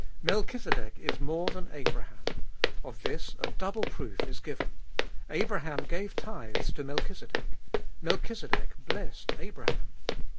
Melchizedek is more than Abraham ; of this a double proof is given. Abraham gave tithes to Melchizedek; Melchizedek blessed Abraham.